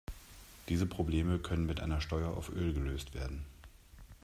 Diese Probleme können mit einer Steuer auf Öl gelöst werden.